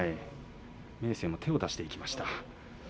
明生も手を出していきました。